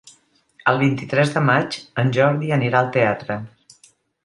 El vint-i-tres de maig en Jordi anirà al teatre.